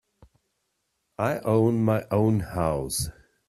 I own my own house.